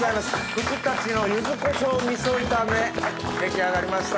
ふくたちの柚子こしょう味噌炒め出来上がりました。